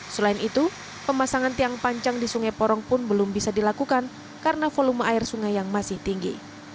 selain itu pemasangan tiang panjang di sungai porong pun belum bisa dilakukan karena volume air sungai yang masih tinggi